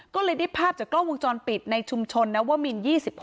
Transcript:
ก็เลยได้ภาพจากกล้องวงจรปิดในชุมชนนวมิน๒๖